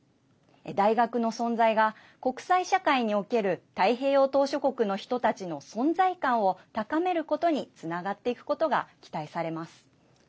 大学の存在が国際社会における太平洋島しょ国の人たちの存在感を高めることにつながっていくことが期待されます。